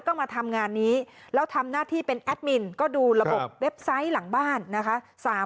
ก็มาทำงานนี้แล้วทำหน้าที่เป็นแอดมินก็ดูระบบเว็บไซต์หลังบ้านนะคะ